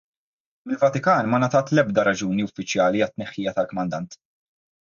Mill-Vatikan ma ngħatat l-ebda raġuni uffiċjali għat-tneħħija tal-kmandant.